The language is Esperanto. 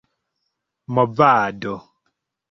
movado